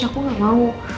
aku gak mau